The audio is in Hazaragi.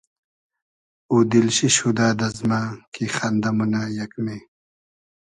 او دیل شی شودۂ دئزمۂ کی خئندۂ مونۂ یئگمې